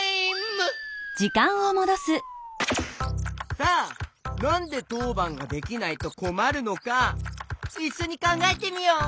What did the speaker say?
さあなんでとうばんができないとこまるのかいっしょにかんがえてみよう！